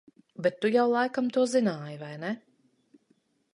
Bet tu to jau laikam zināji vai ne?